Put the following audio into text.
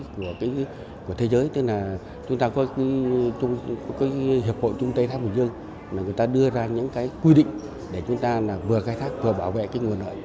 của thế giới tức là chúng ta có hiệp hội trung tây tháp bình dương mà người ta đưa ra những quy định để chúng ta vừa khai thác vừa bảo vệ nguồn nợ